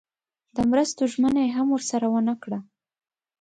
د مرستو ژمنه یې هم ورسره ونه کړه.